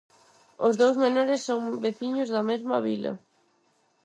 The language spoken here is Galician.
Os dous menores son veciños da mesma vila.